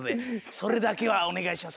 それだけはお願いします。